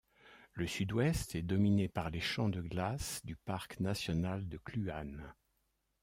Le Sud-Ouest est dominé par les champs de glace du parc national de Kluane.